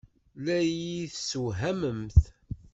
La iyi-tessewhamemt.